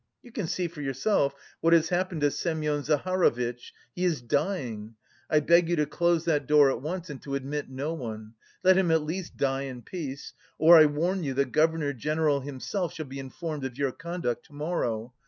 You can see for yourself what has happened to Semyon Zaharovitch; he is dying. I beg you to close that door at once and to admit no one. Let him at least die in peace! Or I warn you the Governor General, himself, shall be informed of your conduct to morrow.